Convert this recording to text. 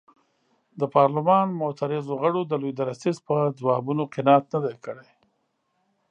د پارلمان معترضو غړو د لوی درستیز په ځوابونو قناعت نه دی کړی.